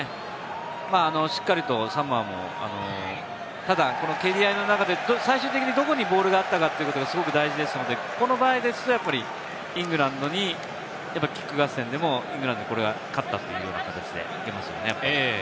しっかりとサモアも、ただ蹴り合いの中で最終的に、どこにボールがあったかというのがすごく大事ですので、この場合ですと、イングランドにキック合戦でもイングランドが勝ったというような形でいますね。